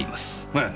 ええ！